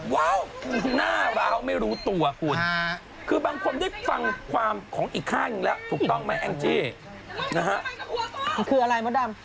ว้าวหน้าไม่รู้ตัวคุณคือบางคนได้ฟังความของอีกข้างแล้วถูกต้องไหมแอ้งจี้